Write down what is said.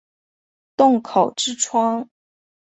洞口之窗